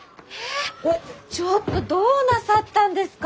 ちょっとどうなさったんですか？